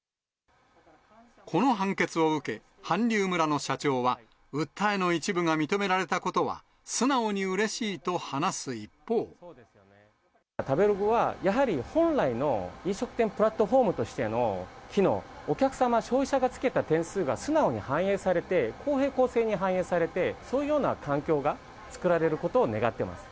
この判決を受け、韓流村の社長は、訴えの一部が認められたことは、食べログは、やはり本来の飲食店プラットホームとしての機能、お客様、消費者がつけた点数が素直に反映されて、公平公正に反映されて、そういうような環境が作られることを願ってます。